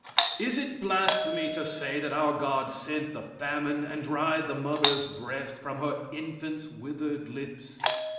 It is blasphemy to say that our God sent the famine and dried the mother's breast from her infant's withered lips?